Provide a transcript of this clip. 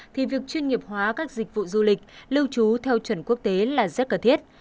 thì việc chuyên nghiệp hóa các dịch vụ du lịch lưu trú theo chuẩn quốc tế là rất cần thiết